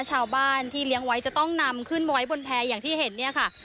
ชาวบ้านที่เลี้ยงไว้จะต้องนำขึ้นมาไว้บนแพร่อย่างที่เห็นเนี่ยค่ะ